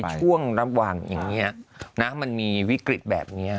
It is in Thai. ช่วงระหว่างอย่างนี้นะมันมีวิกฤตแบบนี้